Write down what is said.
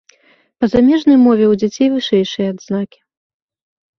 Па замежнай мове ў дзяцей вышэйшыя адзнакі.